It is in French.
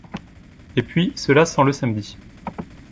Et puis, cela sent le samedi.